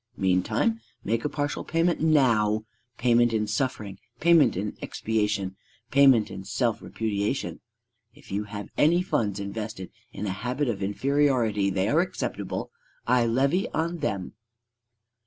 Meantime make a partial payment now: payment in suffering, payment in expiation, payment in self repudiation. If you have any funds invested in a habit of inferiority, they are acceptable: I levy on them.